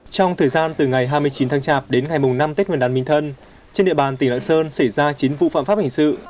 trong thời gian từ ngày hai mươi chín tháng chạp đến ngày mùng năm tết nguyên đán bình thân trên địa bàn tỉnh lạng sơn xảy ra chín vụ phạm pháp hình sự